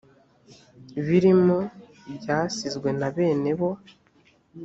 birimo byasizwe na bene bo